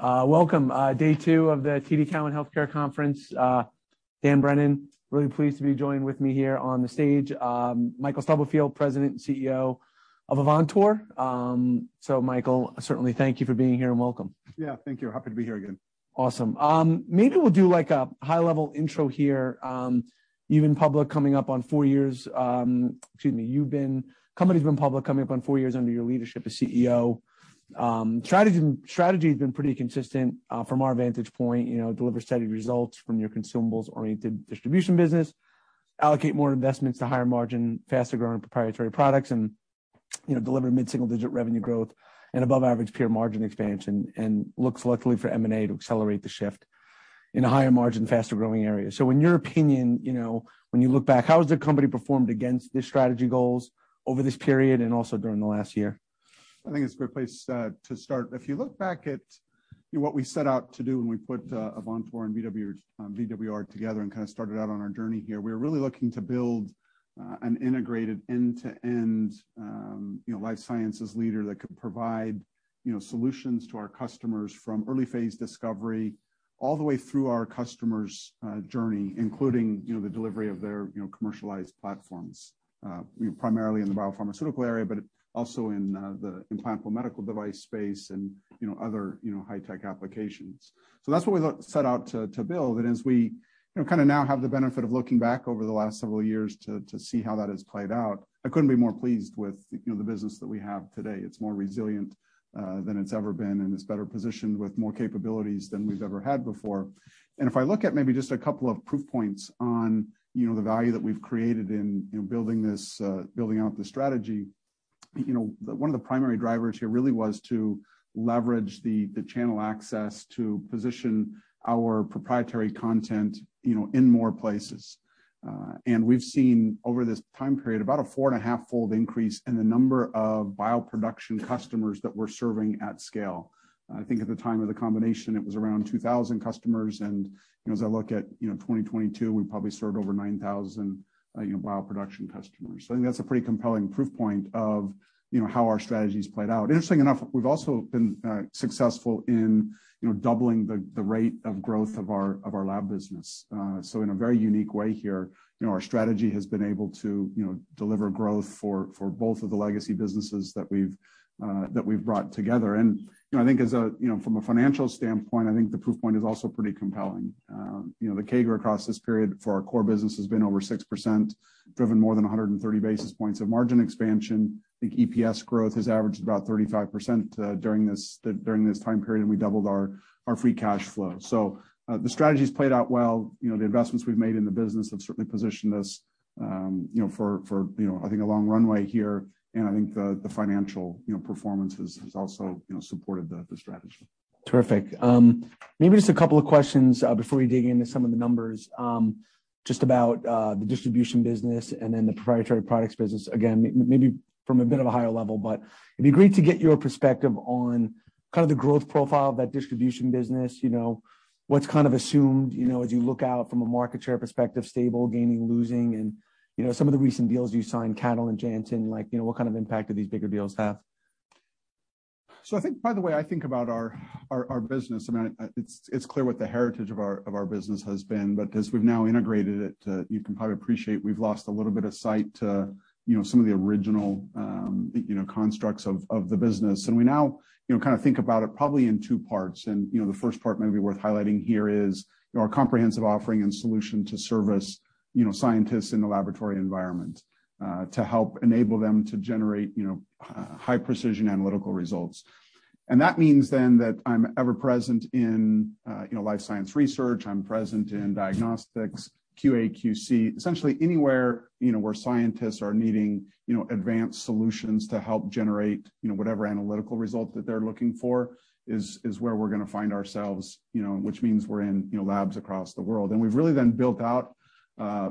Welcome, day two of the TD Cowen Healthcare Conference. Dan Brennan, really pleased to be joined with me here on the stage, Michael Stubblefield, President and CEO of Avantor. Michael, certainly thank you for being here, and welcome. Yeah. Thank you. Happy to be here again. Awesome. Maybe we'll do, like, a high-level intro here. Excuse me. Company's been public coming up on four years under your leadership as CEO. Strategy's been pretty consistent from our vantage point. You know, deliver steady results from your consumables-oriented distribution business, allocate more investments to higher margin, faster growing proprietary products and, you know, deliver mid-single digit revenue growth and above average peer margin expansion, and look selectively for M&A to accelerate the shift in a higher margin, faster growing area. In your opinion, you know, when you look back, how has the company performed against the strategy goals over this period and also during the last year? I think it's a great place, to start. If you look back at, you know, what we set out to do when we put Avantor and VWR together and kind of started out on our journey here, we were really looking to build an integrated end-to-end, you know, life sciences leader that could provide, you know, solutions to our customers from early phase discovery all the way through our customer's journey, including, you know, the delivery of their, you know, commercialized platforms. Primarily in the biopharmaceutical area, but also in the implantable medical device space and, you know, other, you know, high-tech applications. That's what we set out to build. As we, you know, kind of now have the benefit of looking back over the last several years to see how that has played out, I couldn't be more pleased with, you know, the business that we have today. It's more resilient than it's ever been, and it's better positioned with more capabilities than we've ever had before. If I look at maybe just a couple of proof points on, you know, the value that we've created in, you know, building this, building out the strategy, you know, one of the primary drivers here really was to leverage the channel access to position our proprietary content, you know, in more places. We've seen over this time period about a 4.5-fold increase in the number of bioproduction customers that we're serving at scale. I think at the time of the combination, it was around 2,000 customers and, you know, as I look at, you know, 2022, we probably served over 9,000, you know, bioproduction customers. I think that's a pretty compelling proof point of, you know, how our strategy's played out. Interestingly enough, we've also been successful in, you know, doubling the rate of growth of our, of our lab business. In a very unique way here, you know, our strategy has been able to, you know, deliver growth for both of the legacy businesses that we've that we've brought together. You know, I think as a, you know, from a financial standpoint, I think the proof point is also pretty compelling. You know, the CAGR across this period for our core business has been over 6%, driven more than 130 basis points of margin expansion. I think EPS growth has averaged about 35% during this time period, and we doubled our free cash flow. The strategy's played out well. You know, the investments we've made in the business have certainly positioned us, you know, for, you know, I think a long runway here, and I think the financial, you know, performance has also, you know, supported the strategy. Terrific. maybe just a couple of questions, before we dig into some of the numbers, just about the distribution business and then the proprietary products business. Again, maybe from a bit of a higher level, but it'd be great to get your perspective on kind of the growth profile of that distribution business. You know, what's kind of assumed, you know, as you look out from a market share perspective, stable, gaining, losing? you know, some of the recent deals you signed, Catalent and Janssen, like, you know, what kind of impact do these bigger deals have? By the way I think about our business, I mean, it's clear what the heritage of our business has been, but as we've now integrated it, you can probably appreciate we've lost a little bit of sight to, you know, some of the original, you know, constructs of the business. We now, you know, kind of think about it probably in two parts. The first part maybe worth highlighting here is our comprehensive offering and solution to service, you know, scientists in the laboratory environment, to help enable them to generate, you know, high precision analytical results. That means then that I'm ever present in, you know, life science research. I'm present in diagnostics, QA, QC. Essentially anywhere, you know, where scientists are needing, you know, advanced solutions to help generate, you know, whatever analytical result that they're looking for is where we're gonna find ourselves, you know, which means we're in, you know, labs across the world. We've really then built out,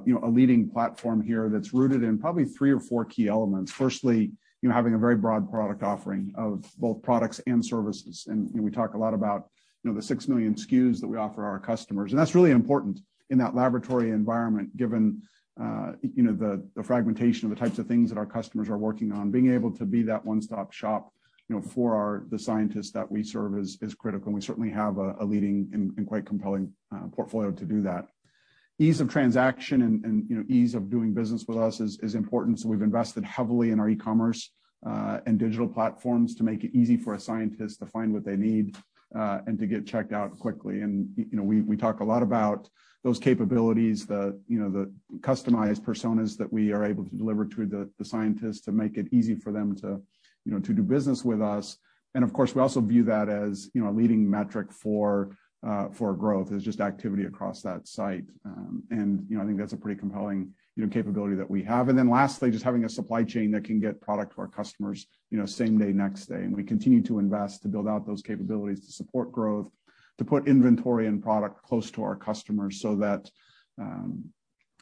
you know, a leading platform here that's rooted in probably 3 or 4 key elements. Firstly, you know, having a very broad product offering of both products and services. You know, we talk a lot about, you know, the 6 million SKUs that we offer our customers, and that's really important in that laboratory environment, given, you know, the fragmentation of the types of things that our customers are working on. Being able to be that one-stop shop, you know, for our, the scientists that we serve is critical, and we certainly have a leading and quite compelling portfolio to do that. Ease of transaction and, you know, ease of doing business with us is important, so we've invested heavily in our e-commerce and digital platforms to make it easy for a scientist to find what they need and to get checked out quickly. You know, we talk a lot about those capabilities, the customized personas that we are able to deliver to the scientists to make it easy for them to, you know, to do business with us. Of course, we also view that as, you know, a leading metric for growth, is just activity across that site. You know, I think that's a pretty compelling, you know, capability that we have. Lastly, just having a supply chain that can get product to our customers, you know, same day, next day. We continue to invest to build out those capabilities to support growth, to put inventory and product close to our customers so that,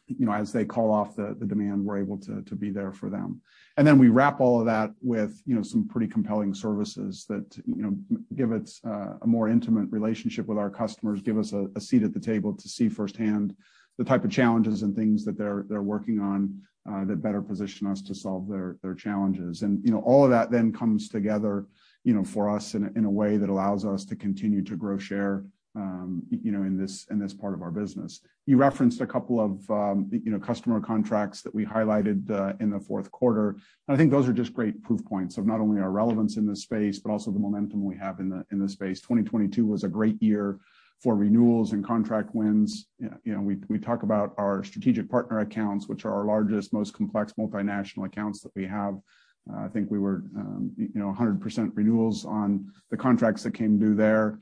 you know, as they call off the demand, we're able to be there for them. We wrap all of that with, you know, some pretty compelling services that, you know, give it a more intimate relationship with our customers, give us a seat at the table to see firsthand the type of challenges and things that they're working on, that better position us to solve their challenges. You know, all of that then comes together, you know, for us in a way that allows us to continue to grow share, you know, in this part of our business. You referenced a couple of, you know, customer contracts that we highlighted in the fourth quarter. I think those are just great proof points of not only our relevance in this space, but also the momentum we have in the space. 2022 was a great year for renewals and contract wins. You know, we talk about our strategic partner accounts, which are our largest, most complex multinational accounts that we have. I think we were, you know, 100% renewals on the contracts that came due there.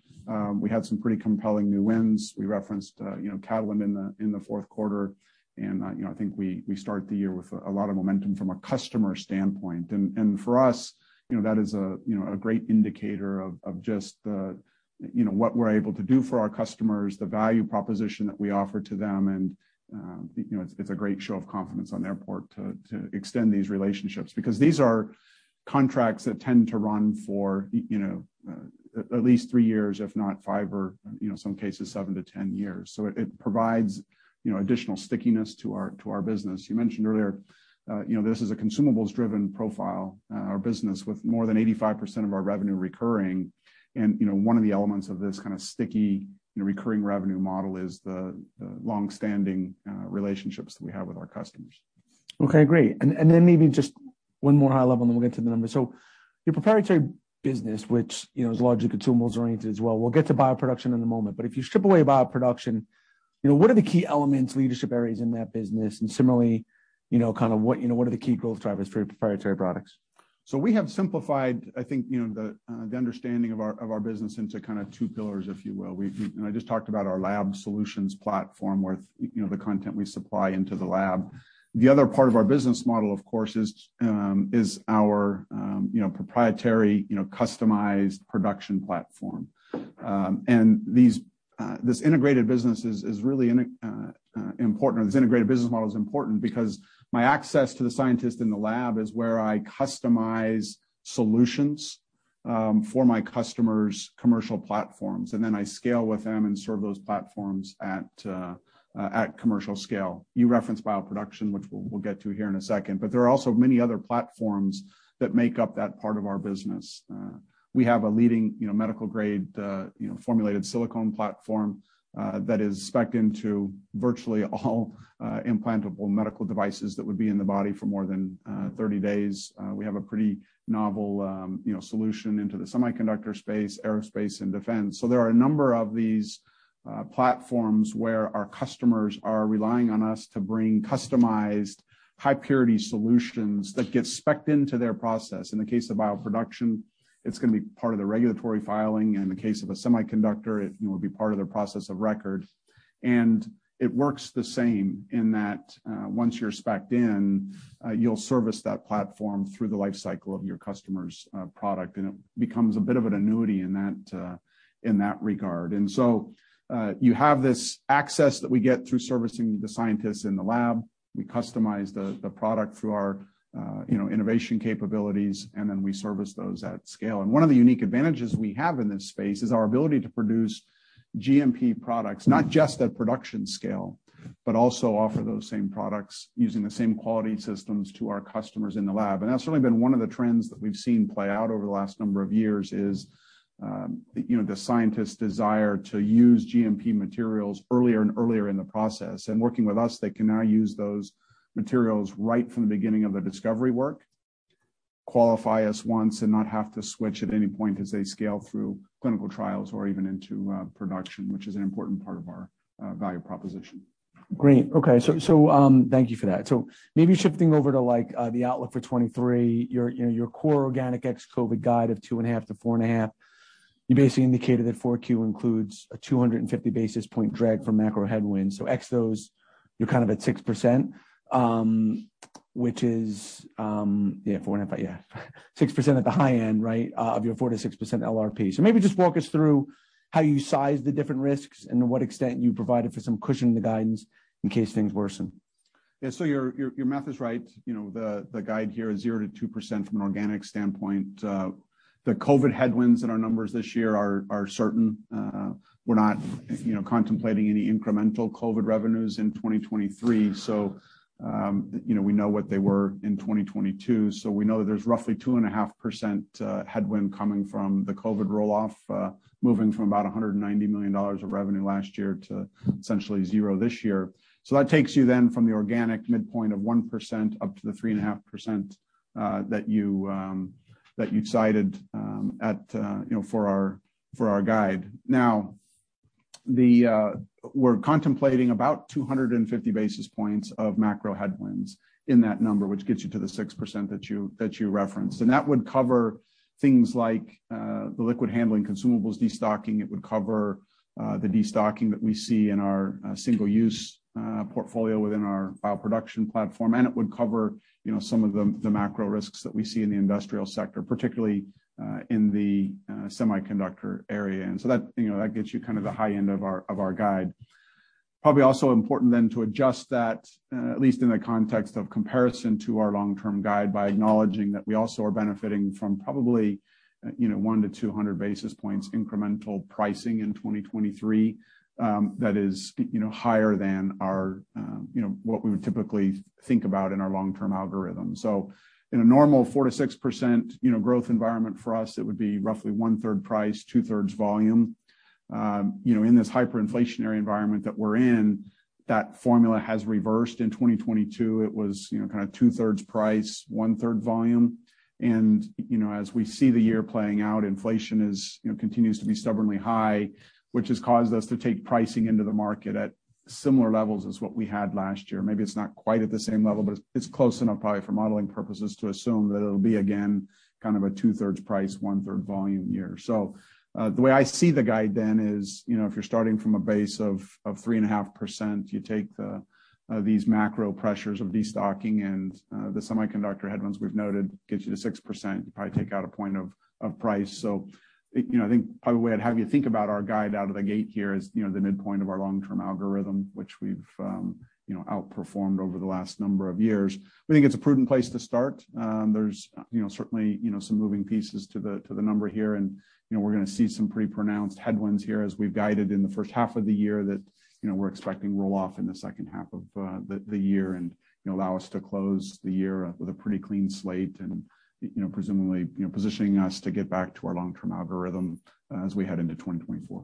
We had some pretty compelling new wins. We referenced, you know, Catalent in the fourth quarter. I think we start the year with a lot of momentum from a customer standpoint. For us, you know, that is a, you know, a great indicator of just the, you know, what we're able to do for our customers, the value proposition that we offer to them. It's, you know, a great show of confidence on their part to extend these relationships, because these are contracts that tend to run for you know, at least 3 years, if not 5 or, you know, some cases 7-10 years. It provides, you know, additional stickiness to our business. You mentioned earlier, you know, this is a consumables driven profile, our business with more than 85% of our revenue recurring. You know, one of the elements of this kind of sticky, you know, recurring revenue model is the longstanding, relationships that we have with our customers. Okay, great. Maybe just one more high level, and then we'll get to the numbers. Your proprietary business, which you know, is largely consumables oriented as well. We'll get to bioproduction in a moment. If you strip away bioproduction, you know, what are the key elements, leadership areas in that business? Similarly, you know, kind of what, you know, what are the key growth drivers for your proprietary products? We have simplified, I think, you know, the understanding of our business into kind of two pillars, if you will. I just talked about our lab solutions platform with, you know, the content we supply into the lab. The other part of our business model, of course, is our, you know, proprietary, you know, customized production platform. These, this integrated business is really important, or this integrated business model is important because my access to the scientist in the lab is where I customize solutions for my customers' commercial platforms, and then I scale with them and serve those platforms at commercial scale. You referenced bioproduction, which we'll get to here in a second. There are also many other platforms that make up that part of our business. We have a leading, you know, medical grade, you know, formulated silicone platform, that is specced into virtually all, implantable medical devices that would be in the body for more than 30 days. We have a pretty novel, you know, solution into the semiconductor space, aerospace and defense. There are a number of these platforms where our customers are relying on us to bring customized high purity solutions that get specced into their process. In the case of bioproduction, it's gonna be part of the regulatory filing, and in the case of a semiconductor, it, you know, will be part of their process of record. It works the same in that, once you're specced in, you'll service that platform through the life cycle of your customer's product, and it becomes a bit of an annuity in that, in that regard. So, you have this access that we get through servicing the scientists in the lab. We customize the product through our, you know, innovation capabilities, and then we service those at scale. One of the unique advantages we have in this space is our ability to produce GMP products, not just at production scale, but also offer those same products using the same quality systems to our customers in the lab. That's certainly been one of the trends that we've seen play out over the last number of years, is, you know, the scientists' desire to use GMP materials earlier and earlier in the process. Working with us, they can now use those materials right from the beginning of the discovery work, qualify us once, and not have to switch at any point as they scale through clinical trials or even into production, which is an important part of our value proposition. Great. Okay. Thank you for that. Maybe shifting over to like the outlook for 2023, your, you know, your core organic ex-COVID guide of 2.5%-4.5%, you basically indicated that Q4 includes a 250 basis point drag from macro headwinds. Ex those, you're kind of at 6%, which is, yeah, 4.5%, 6% at the high end, right, of your 4%-6% LRP. Maybe just walk us through how you size the different risks and to what extent you provided for some cushion in the guidance in case things worsen. Yeah. Your, your math is right. You know, the guide here is 0%-2% from an organic standpoint. The COVID headwinds in our numbers this year are certain. We're not, you know, contemplating any incremental COVID revenues in 2023. You know, we know what they were in 2022, so we know there's roughly 2.5% headwind coming from the COVID roll-off, moving from about $190 million of revenue last year to essentially zero this year. That takes you then from the organic midpoint of 1% up to the 3.5% that you that you've cited at, you know, for our guide. Now, we're contemplating about 250 basis points of macro headwinds in that number, which gets you to the 6% that you, that you referenced. That would cover things like the liquid handling consumables destocking. It would cover the destocking that we see in our single-use portfolio within our bioproduction platform, and it would cover, you know, some of the macro risks that we see in the industrial sector, particularly in the semiconductor area. That, you know, that gets you kind of the high end of our, of our guide. Probably also important then to adjust that, at least in the context of comparison to our long-term guide by acknowledging that we also are benefiting from probably, you know, 100 basis points-200 basis points incremental pricing in 2023, that is, you know, higher than our, you know, what we would typically think about in our long-term algorithm. In a normal 4%-6%, you know, growth environment for us, it would be roughly 1/3 price, 2/3 volume. You know, in this hyperinflationary environment that we're in, that formula has reversed. In 2022, it was, you know, kind of 2/3 price, 1/3 volume. You know, as we see the year playing out, inflation is, you know, continues to be stubbornly high, which has caused us to take pricing into the market at similar levels as what we had last year. Maybe it's not quite at the same level, but it's close enough probably for modeling purposes to assume that it'll be, again, kind of a 2/3 price, 1/3 volume year. The way I see the guide then is, you know, if you're starting from a base of 3.5%, you take the these macro pressures of destocking and the semiconductor headwinds we've noted gets you to 6%. You probably take out a point of price. You know, I think probably we'll have you think about our guide out of the gate here as, you know, the midpoint of our long-term algorithm, which we've, you know, outperformed over the last number of years. We think it's a prudent place to start. There's, you know, certainly, you know, some moving pieces to the number here. You know, we're gonna see some pretty pronounced headwinds here as we've guided in the first half of the year that, you know, we're expecting roll-off in the second half of the year and, you know, allow us to close the year with a pretty clean slate and, you know, presumably, you know, positioning us to get back to our long-term algorithm as we head into 2024.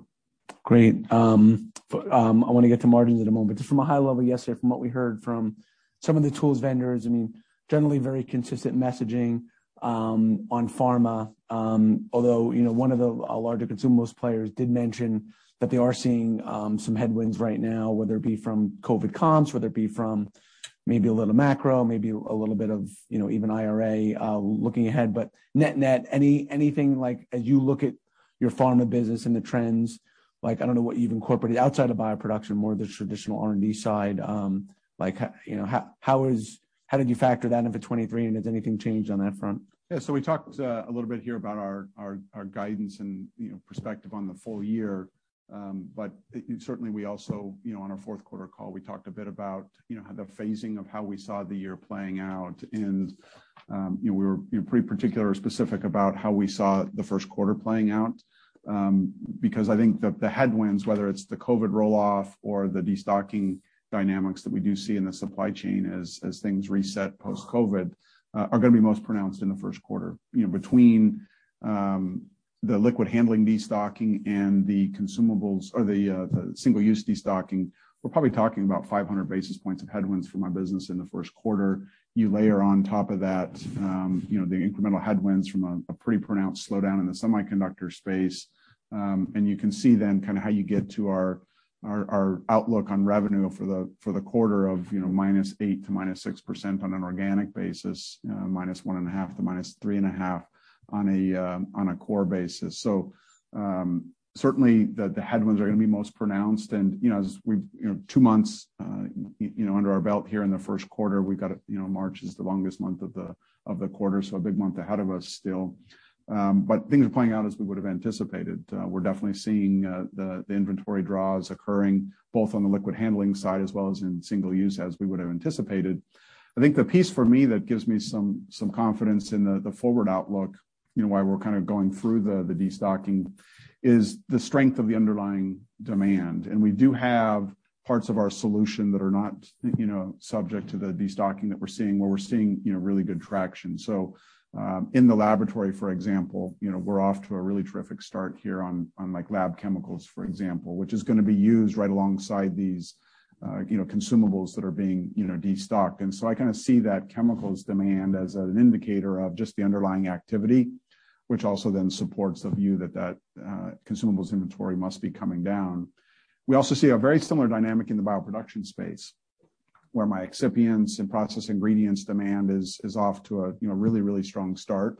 Great. I wanna get to margins in a moment. Just from a high level yesterday from what we heard from some of the tools vendors, I mean, generally very consistent messaging on pharma. Although, you know, one of the larger consumables players did mention that they are seeing some headwinds right now, whether it be from COVID comps, whether it be from maybe a little macro, maybe a little bit of, you know, even IRA looking ahead. Net-net, anything like as you look at your pharma business and the trends, like, I don't know what you've incorporated outside of bioproduction, more the traditional R&D side, like, how, you know, how did you factor that into 23, and has anything changed on that front? Yeah. We talked a little bit here about our, our guidance and, you know, perspective on the full year. But certainly we also, you know, on our fourth quarter call, we talked a bit about, you know, the phasing of how we saw the year playing out. You know, we were, you know, pretty particular specific about how we saw the first quarter playing out. I think that the headwinds, whether it's the COVID roll-off or the destocking dynamics that we do see in the supply chain as things reset post-COVID, are gonna be most pronounced in the first quarter. You know, between the liquid handling destocking and the consumables or the single-use destocking, we're probably talking about 500 basis points of headwinds for my business in the first quarter. You layer on top of that, you know, the incremental headwinds from a pretty pronounced slowdown in the semiconductor space, you can see then kinda how you get to our outlook on revenue for the quarter of -8% to -6% on an organic basis, -1.5% to -3.5% on a core basis. Certainly the headwinds are gonna be most pronounced. As we've two months under our belt here in the first quarter, we've got March is the longest month of the quarter, a big month ahead of us still. Things are playing out as we would've anticipated. We're definitely seeing the inventory draws occurring both on the liquid handling side as well as in single-use, as we would've anticipated. I think the piece for me that gives me some confidence in the forward outlook, you know, why we're kind of going through the destocking, is the strength of the underlying demand. We do have parts of our solution that are not, you know, subject to the destocking that we're seeing, where we're seeing, you know, really good traction. In the laboratory, for example, you know, we're off to a really terrific start here on like lab chemicals, for example, which is gonna be used right alongside these, you know, consumables that are being, you know, destocked. I kinda see that chemicals demand as an indicator of just the underlying activity, which also then supports the view that that consumables inventory must be coming down. We also see a very similar dynamic in the bioproduction space, where my excipients and process ingredients demand is off to a, you know, really, really strong start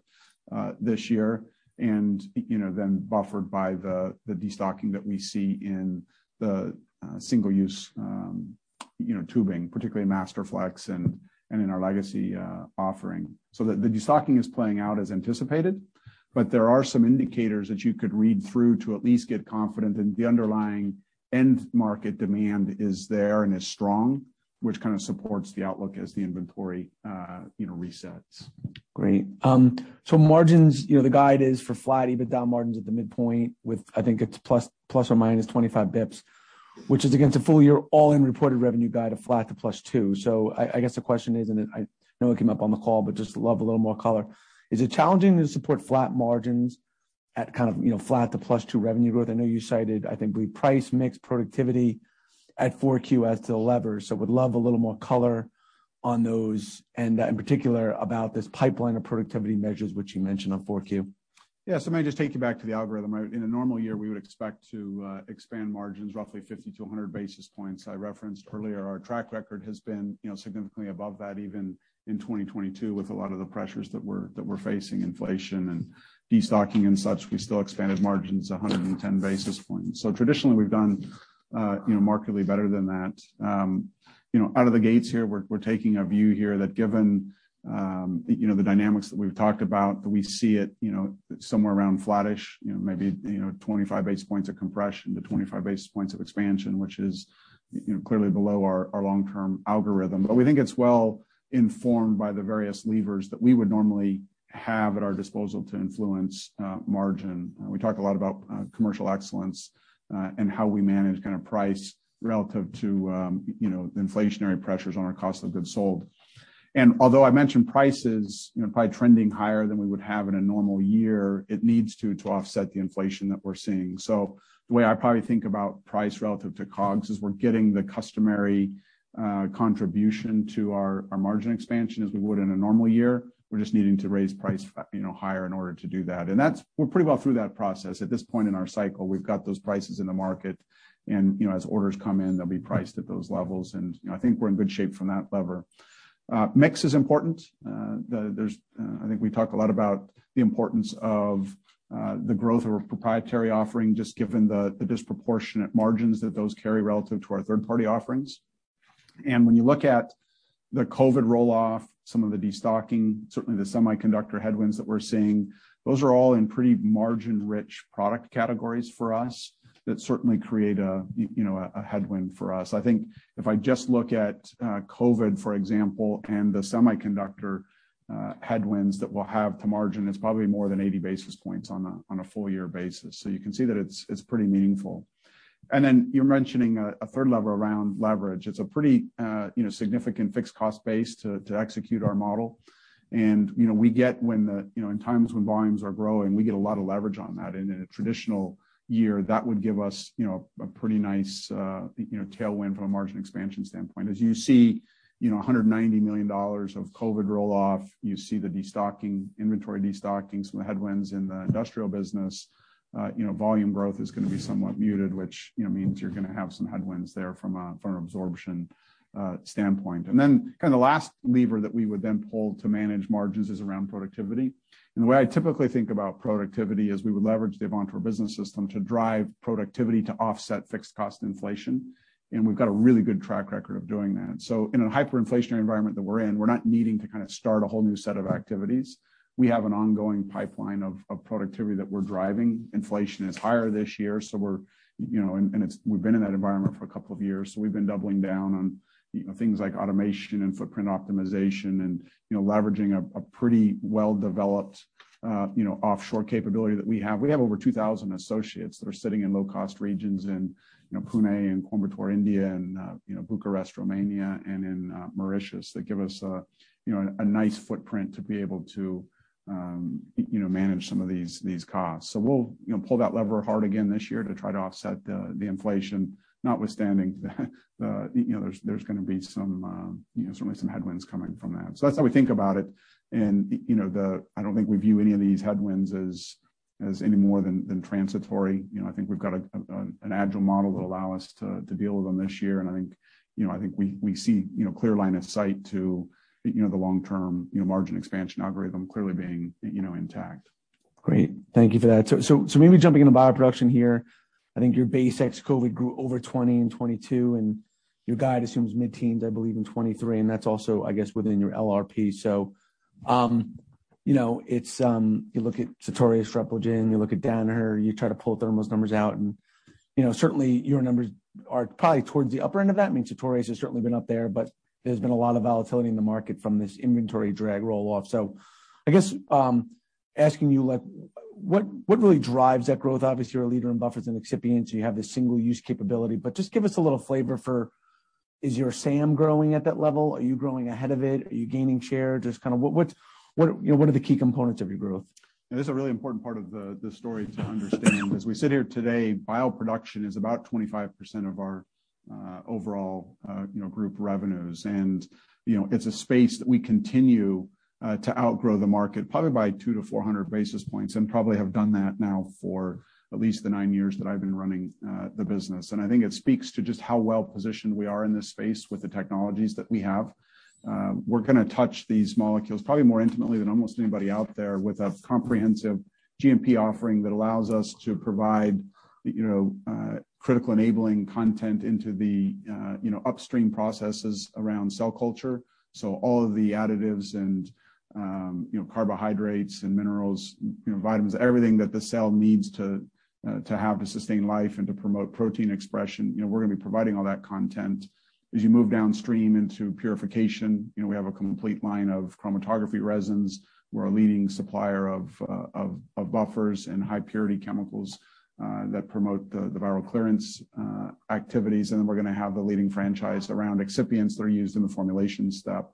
this year, buffered by the destocking that we see in the single-use, you know, tubing, particularly Masterflex and in our legacy offering. The destocking is playing out as anticipated, but there are some indicators that you could read through to at least get confident that the underlying end market demand is there and is strong, which kind of supports the outlook as the inventory, you know, resets. Great. Margins, you know, the guide is for flat EBITDA margins at the midpoint with, I think it's ±25 basis points, which is against a full year all-in reported revenue guide of flat to +2%. I guess the question is, and I know it came up on the call, but just love a little more color. Is it challenging to support flat margins at kind of, you know, flat to +2% revenue growth? I know you cited, I think we price mix productivity at Q4 as the lever. Would love a little more color on those, and in particular about this pipeline of productivity measures, which you mentioned on Q4. I might just take you back to the algorithm, right? In a normal year, we would expect to expand margins roughly 50 basis points-100 basis points. I referenced earlier our track record has been, you know, significantly above that, even in 2022 with a lot of the pressures that we're facing, inflation and destocking and such. We still expanded margins 110 basis points. Traditionally, we've done, you know, markedly better than that. Out of the gates here, we're taking a view here that given, you know, the dynamics that we've talked about, that we see it, you know, somewhere around flattish, you know, maybe, you know, 25 basis points of compression to 25 basis points of expansion, which is, you know, clearly below our long-term algorithm. We think it's well informed by the various levers that we would normally have at our disposal to influence margin. We talk a lot about commercial excellence and how we manage kinda price relative to, you know, the inflationary pressures on our cost of goods sold. Although I mentioned prices, you know, probably trending higher than we would have in a normal year, it needs to offset the inflation that we're seeing. The way I probably think about price relative to COGS is we're getting the customary contribution to our margin expansion as we would in a normal year. We're just needing to raise price, you know, higher in order to do that. That's we're pretty well through that process. At this point in our cycle, we've got those prices in the market and, you know, as orders come in, they'll be priced at those levels. You know, I think we're in good shape from that lever. Mix is important. There's, I think we talk a lot about the importance of the growth of our proprietary offering, just given the disproportionate margins that those carry relative to our third-party offerings. When you look at the COVID roll-off, some of the destocking, certainly the semiconductor headwinds that we're seeing, those are all in pretty margin-rich product categories for us that certainly create a, you know, a headwind for us. I think if I just look at COVID, for example, and the semiconductor headwinds that we'll have to margin, it's probably more than 80 basis points on a full year basis. You can see that it's pretty meaningful. Then you're mentioning a third lever around leverage. It's a pretty, you know, significant fixed cost base to execute our model. You know, we get when, you know, in times when volumes are growing, we get a lot of leverage on that. In a traditional year, that would give us, you know, a pretty nice, you know, tailwind from a margin expansion standpoint. As you see, you know, $190 million of COVID roll-off, you see the destocking, inventory destocking, some headwinds in the industrial business, you know, volume growth is gonna be somewhat muted, which, you know, means you're gonna have some headwinds there from an absorption standpoint. Then kinda last lever that we would then pull to manage margins is around productivity. The way I typically think about productivity is we would leverage the Avantor Business System to drive productivity to offset fixed cost inflation, and we've got a really good track record of doing that. In a hyperinflationary environment that we're in, we're not needing to kind of start a whole new set of activities. We have an ongoing pipeline of productivity that we're driving. Inflation is higher this year, we're, you know, and it's, we've been in that environment for a couple of years, so we've been doubling down on, you know, things like automation and footprint optimization and, you know, leveraging a pretty well-developed, you know, offshore capability that we have. We have over 2,000 associates that are sitting in low-cost regions in, you know, Pune and Coimbatore, India and, you know, Bucharest, Romania and in Mauritius that give us a, you know, a nice footprint to be able to, you know, manage some of these costs. We'll, you know, pull that lever hard again this year to try to offset the inflation notwithstanding, you know, there's going to be some, you know, certainly some headwinds coming from that. That's how we think about it. You know, the, I don't think we view any of these headwinds as any more than transitory. You know, I think we've got an agile model that allow us to deal with them this year. I think, you know, I think we see, you know, clear line of sight to, you know, the long-term, you know, margin expansion algorithm clearly being, you know, intact. Great. Thank you for that. Maybe jumping into bioproduction here. I think your base ex COVID grew over 20 in 2022, and your guide assumes mid-teens, I believe, in 2023, and that's also, I guess, within your LRP. You know, it's, you look at Sartorius, Repligen, you look at Danaher, you try to pull those numbers out and, you know, certainly your numbers are probably towards the upper end of that. I mean, Sartorius has certainly been up there, but there's been a lot of volatility in the market from this inventory drag roll-off. I guess, asking you, like what really drives that growth? Obviously, you're a leader in buffers and excipients, you have this single-use capability. But just give us a little flavor for is your SAM growing at that level? Are you growing ahead of it? Are you gaining share? Just kinda what are, you know, what are the key components of your growth? This is a really important part of the story to understand. As we sit here today, bioproduction is about 25% of our overall, you know, group revenues. You know, it's a space that we continue to outgrow the market probably by 200 basis points-400 basis points and probably have done that now for at least the nine years that I've been running the business. I think it speaks to just how well-positioned we are in this space with the technologies that we have. We're gonna touch these molecules probably more intimately than almost anybody out there with a comprehensive GMP offering that allows us to provide, you know, critical enabling content into the, you know, upstream processes around cell culture. All of the additives and, you know, carbohydrates and minerals, you know, vitamins, everything that the cell needs to have to sustain life and to promote protein expression, you know, we're gonna be providing all that content. As you move downstream into purification, you know, we have a complete line of chromatography resins. We're a leading supplier of buffers and high purity chemicals that promote the viral clearance activities. We're gonna have a leading franchise around excipients that are used in the formulation step.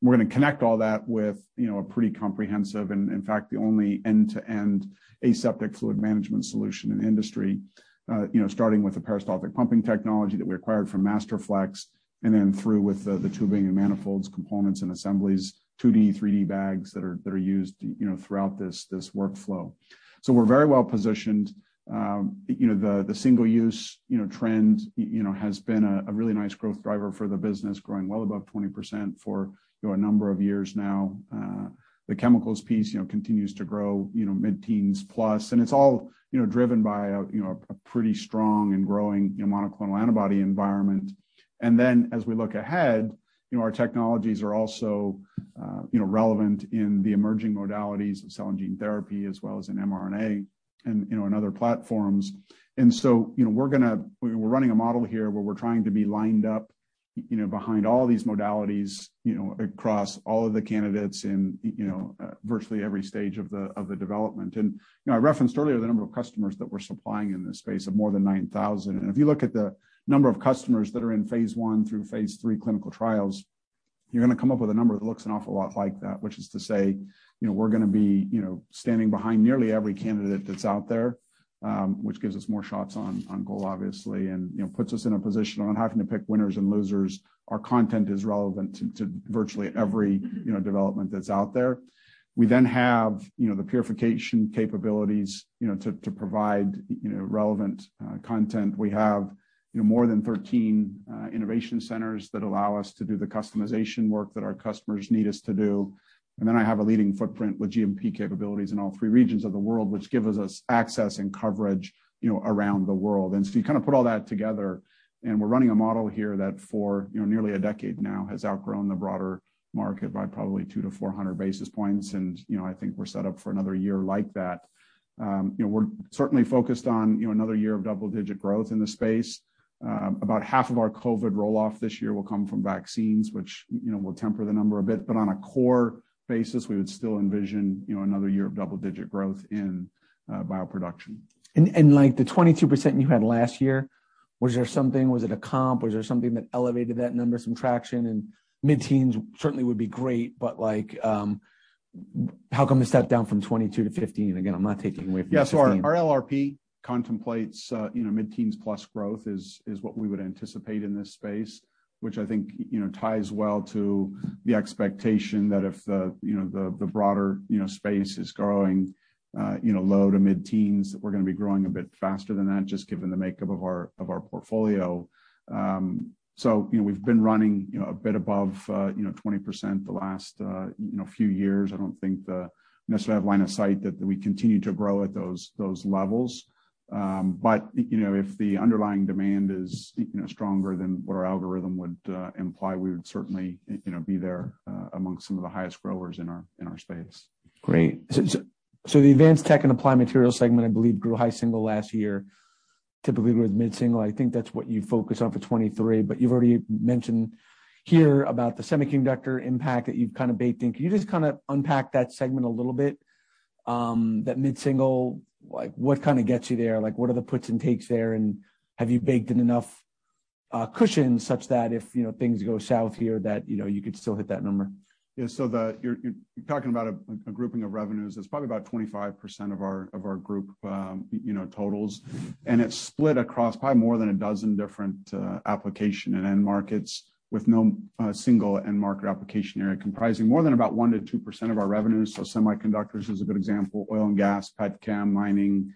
We're gonna connect all that with, you know, a pretty comprehensive and in fact the only end-to-end aseptic fluid management solution in the industry. You know, starting with the peristaltic pumping technology that we acquired from Masterflex, through with the tubing and manifolds, components and assemblies, 2D, 3D bags that are used, you know, throughout this workflow. We're very well positioned. You know, the single-use, you know, trend, you know, has been a really nice growth driver for the business, growing well above 20% for, you know, a number of years now. The chemicals piece, you know, continues to grow, you know, mid-teens plus, and it's all, you know, driven by a pretty strong and growing, you know, monoclonal antibody environment. As we look ahead, you know, our technologies are also, you know, relevant in the emerging modalities of cell and gene therapy, as well as in mRNA and, you know, in other platforms. You know, we're running a model here where we're trying to be lined up, you know, behind all these modalities, you know, across all of the candidates and, you know, virtually every stage of the development. You know, I referenced earlier the number of customers that we're supplying in this space of more than 9,000. If you look at the number of customers that are in phase 1 through phase 3 clinical trials, you're gonna come up with a number that looks an awful lot like that. Which is to say, you know, we're gonna be, you know, standing behind nearly every candidate that's out there, which gives us more shots on goal, obviously, and, you know, puts us in a position on having to pick winners and losers. Our content is relevant to virtually every, you know, development that's out there. We have, you know, the purification capabilities, you know, to provide, you know, relevant content. We have, you know, more than 13 innovation centers that allow us to do the customization work that our customers need us to do. I have a leading footprint with GMP capabilities in all three regions of the world, which gives us access and coverage, you know, around the world. You kind of put all that together, and we're running a model here that for, you know, nearly a decade now, has outgrown the broader market by probably 200 basis points-400 basis points. I think we're set up for another year like that. You know, we're certainly focused on, you know, another year of double-digit growth in the space. About half of our COVID roll-off this year will come from vaccines, which, you know, will temper the number a bit. On a core basis, we would still envision, you know, another year of double-digit growth in bioproduction. Like the 22% you had last year, was there something, was it a comp? Was there something that elevated that number, some traction? Mid-teens certainly would be great, but like, how come the step down from 22-15? Again, I'm not taking away from the 15. Yeah. Our LRP contemplates, you know, mid-teens plus growth is what we would anticipate in this space, which I think, you know, ties well to the expectation that if the, you know, the broader, you know, space is growing, low to mid-teens, we're gonna be growing a bit faster than that, just given the makeup of our portfolio. We've been running, you know, a bit above, you know, 20% the last, you know, few years. I don't think necessarily have line of sight that we continue to grow at those levels. If the underlying demand is, you know, stronger than what our algorithm would imply, we would certainly, you know, be there amongst some of the highest growers in our space. Great. The advanced tech and applied materials segment, I believe, grew high single % last year. Typically grows mid-single %. I think that's what you focus on for 2023. You've already mentioned here about the semiconductor impact that you've kind of baked in. Can you just kind of unpack that segment a little bit? That mid-single %, like, what kind of gets you there? Like, what are the puts and takes there, and have you baked in enough cushion such that if, you know, things go south here, that, you know, you could still hit that number? Yeah. You're talking about a like a grouping of revenues that's probably about 25% of our, of our group, you know, totals. It's split across probably more than a dozen different application and end markets with no single end market application area comprising more than about 1%-2% of our revenues. Semiconductors is a good example. Oil and gas, pet chem, mining,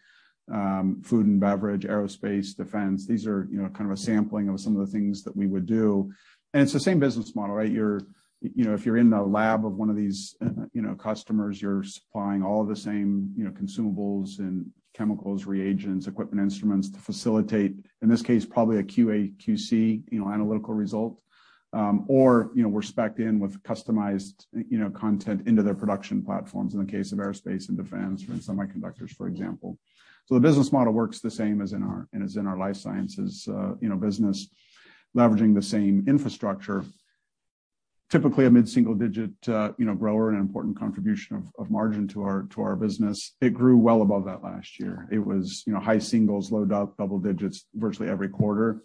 food and beverage, aerospace, defense. These are, you know, kind of a sampling of some of the things that we would do. It's the same business model, right? You know, if you're in the lab of one of these, you know, customers, you're supplying all of the same, you know, consumables and chemicals, reagents, equipment, instruments to facilitate, in this case, probably a QA/QC, you know, analytical result. Or, you know, we're specced in with customized, you know, content into their production platforms in the case of aerospace and defense or in semiconductors, for example. The business model works the same as in our, as in our life sciences, you know, business, leveraging the same infrastructure. Typically a mid-single digit, you know, grower and important contribution of margin to our, to our business. It grew well above that last year. It was, you know, high singles, low double digits virtually every quarter,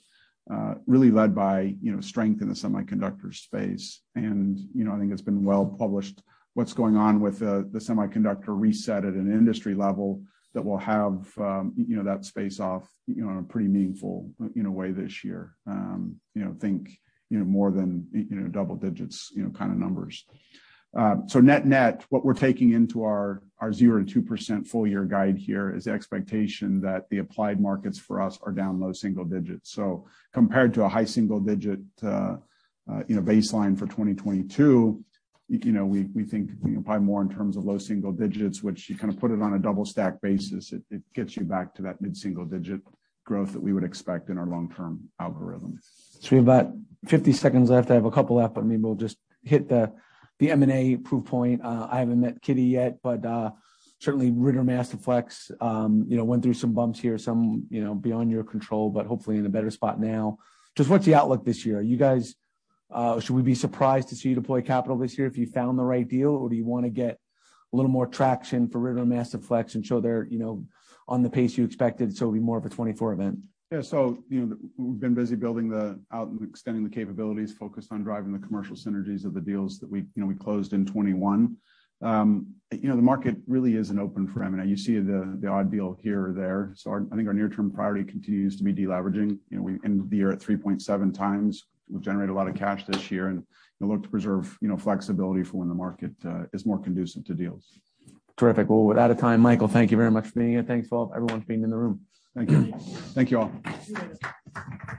really led by, you know, strength in the semiconductor space. You know, I think it's been well published what's going on with the semiconductor reset at an industry level that will have, you know, that space off, you know, in a pretty meaningful, you know, way this year. you know, think, you know, more than, you know, double digits, you know, kind of numbers. Net-net, what we're taking into our 0%-2% full year guide here is the expectation that the applied markets for us are down low single digits. Compared to a high single digit, you know, baseline for 2022, you know, we think, you know, probably more in terms of low single digits, which you kind of put it on a double stack basis, it gets you back to that mid-single digit growth that we would expect in our long term algorithm. We have about 50 seconds left. I have a couple left, but maybe we'll just hit the M&A proof point. I haven't met Kitty yet, but certainly Ritter and Masterflex, you know, went through some bumps here, some, you know, beyond your control, but hopefully in a better spot now. Just what's the outlook this year? Are you guys Should we be surprised to see you deploy capital this year if you found the right deal, or do you wanna get a little more traction for Ritter and Masterflex and show they're, you know, on the pace you expected, so it'll be more of a 2024 event? Yeah. You know, we've been busy building the out and extending the capabilities, focused on driving the commercial synergies of the deals that we, you know, we closed in 21. You know, the market really isn't open for M&A. You see the odd deal here or there. Our, I think our near-term priority continues to be deleveraging. You know, we ended the year at 3.7x. We've generated a lot of cash this year and we'll look to preserve, you know, flexibility for when the market is more conducive to deals. Terrific. Well, we're out of time. Michael, thank you very much for being here. Thanks to all, everyone for being in the room. Thank you. Thank you. Thank you, all.